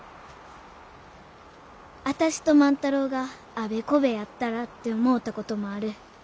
あたしと万太郎があべこべやったらって思うたこともある。